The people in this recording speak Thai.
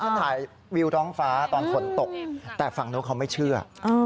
ถ่ายวิวท้องฟ้าตอนฝนตกแต่ฝั่งนู้นเขาไม่เชื่อ